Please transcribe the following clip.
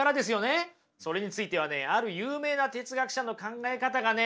それについてはねある有名な哲学者の考え方がね